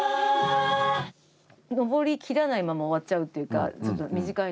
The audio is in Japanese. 上り切らないまま終わっちゃうっていうかちょっと短いので。